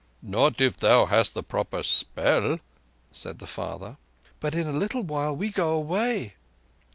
"Not if thou hast the proper spell," said the father. "But in a little while we go away."